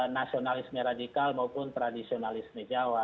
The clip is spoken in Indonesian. nasionalisme radikal maupun tradisionalisme jawa